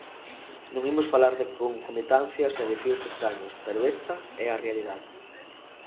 Non imos falar de concomitancias e de fíos estraños, pero esta é a realidade.